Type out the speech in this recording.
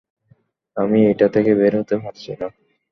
আমি এটা থেকে বের হতে পারছি না।